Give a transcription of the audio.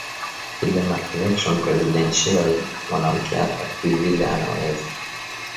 vile ma election presidentielle mwanamke ata vivile anaweza